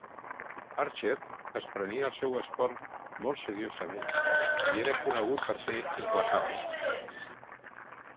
Archer es prenia el seu esport molt seriosament i era conegut per ser implacable.